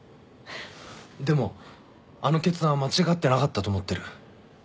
でもあの決断は間違ってなかったと思ってる。